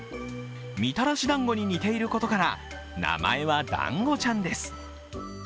みたらしだんごに似ていることから名前はだんごちゃんです。